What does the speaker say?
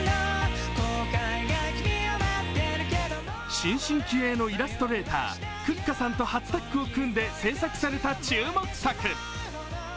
新進気鋭のイラストレーター、くっかさんと初タッグを組んで制作された注目作。